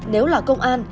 nếu là công an